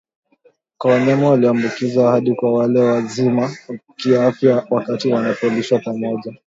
kwa wanyama walioambukizwa hadi kwa wale wazima kiafya wakati wanapolishwa pamoja